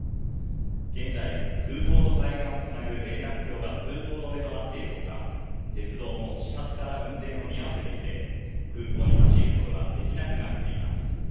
現在、空港と対岸をつなぐ連絡橋が通行止めとなっているほか、鉄道も始発から運転を見合わせていて、空港に立ち入ることができなくなっています。